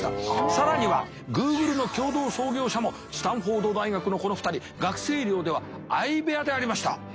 更にはＧｏｏｇｌｅの共同創業者もスタンフォード大学のこの２人学生寮では相部屋でありました。